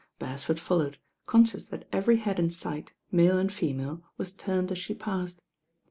Beresford followed, conscious that every head in sight, male and female, was turned as she passed.